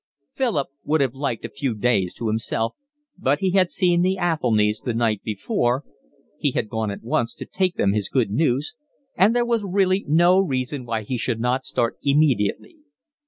Philip would have liked a few days to himself; but he had seen the Athelnys the night before (he had gone at once to take them his good news) and there was really no reason why he should not start immediately.